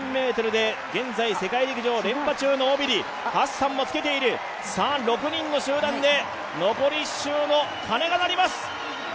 ５０００ｍで現在世界陸上連覇中のオビリ、ハッサンもつけている、６人の集団で残り１周の鐘が鳴ります。